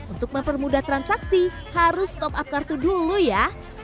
untuk mempermudah transaksi harus top up kartu dulu ya